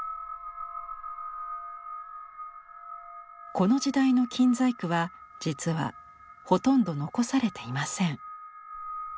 この時代の金細工は実はほとんど残されていません。